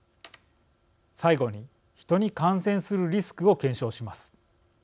最後に、ヒトに感染するリスクを検証します。